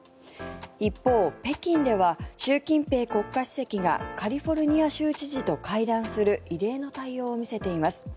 一方、北京では習近平国家主席がカリフォルニア州知事と会談する異例の対応を見せています。